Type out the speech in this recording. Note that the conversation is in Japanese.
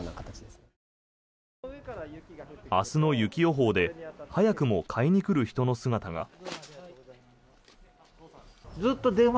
明日の雪予報で早くも買いに来る人の姿が。